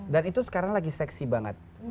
dan itu sekarang lagi seksi banget